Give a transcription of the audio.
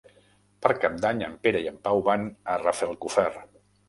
Per Cap d'Any en Pere i en Pau van a Rafelcofer.